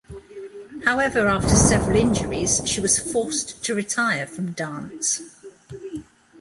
However, after several injuries, she was forced to retire from dance.